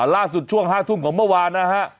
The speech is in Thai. ล่าสุดช่วง๕ทุ่มของเมื่อวานนะฮะ